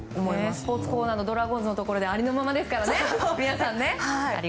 スポーツコーナーのドラゴンズのところではありのままですからね。